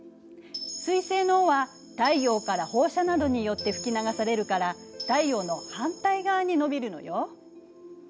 彗星の尾は太陽から放射などによって吹き流されるから太陽の反対側に延びるのよ。